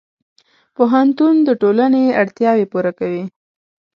پوهنتون د ټولنې اړتیاوې پوره کوي.